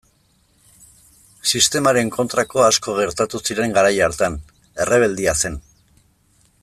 Sistemaren kontrako asko gertatu ziren garai hartan, errebeldia zen.